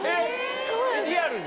リアルに？